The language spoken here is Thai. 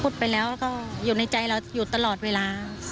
พูดไปแล้วก็อยู่ในใจเราอยู่ตลอดเวลา